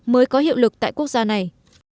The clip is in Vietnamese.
mới có hiệu lực tại quốc gia này